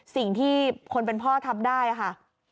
สิ่งที่คนเป็นพ่อทำได้ค่ะ